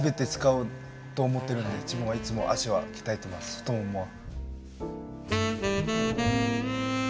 太ももは。